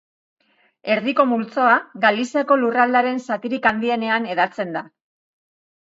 Erdiko multzoa Galiziako lurraldearen zatirik handienean hedatzen da.